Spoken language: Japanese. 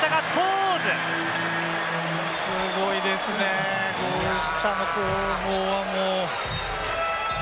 すごいですね、ゴール下の攻防はもう。